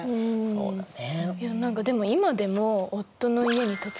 そうだよね。